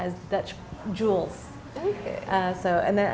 sebagai jualan indonesia